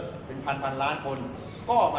มันเป็นสิ่งที่เราไม่รู้สึกว่า